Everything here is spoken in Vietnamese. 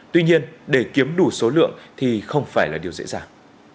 tuy nhiên để kiếm đủ số lượng thì không phải là điều dễ dàng